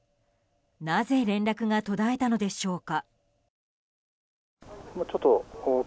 なぜ連絡が途絶えたのでしょうか。